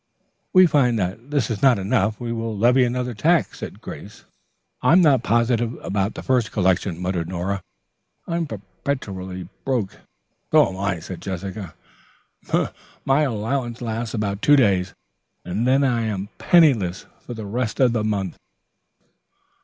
"If we find that this is not enough, we will levy another tax," Grace announced. "I'm not positive about the first collection," muttered Nora. "I'm perpetually broke." "So am I," said Jessica. "My allowance lasts about two days, and then I am penniless for the rest of the month."